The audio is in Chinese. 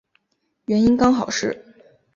原因刚好是